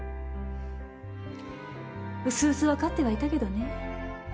うすうす分かってはいたけどね。